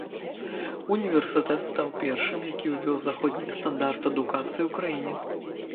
Універсітэт стаў першым, які ўвёў заходнія стандарты адукацыі ў краіне.